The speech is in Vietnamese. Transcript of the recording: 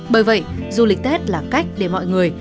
bởi vậy du lịch tết là cách để mọi người